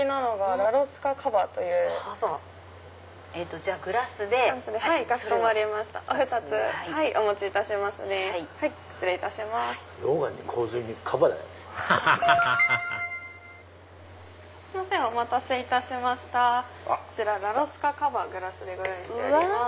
ラロスカカヴァグラスでご用意しております。